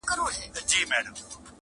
په غونډه کي ولوستل سو وه